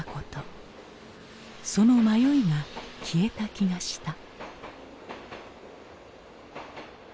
その迷いが消えた気がした。